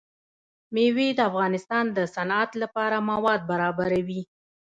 مېوې د افغانستان د صنعت لپاره مواد برابروي.